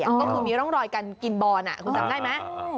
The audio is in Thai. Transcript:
ก็คือมีร่องรอยการกินบอนคุณจำได้ไหม